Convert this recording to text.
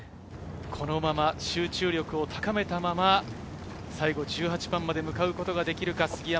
このまま集中力を高めたまま、最後１８番まで向かうことができるか、杉山。